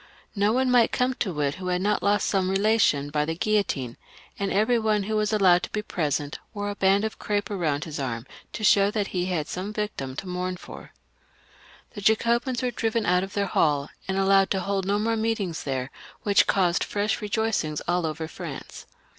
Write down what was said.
No one might come to it who had not lost some relation by the guillotine, and every one who was allowed to be present wore a band of crape round his arm, to show that he had some victim to mourn for. The Jacobins were driven out of their hall, and allowed to hold no more meetings there, which caused fresh rejoicings all over France.